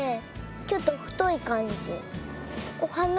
ちょっとふといかんじ。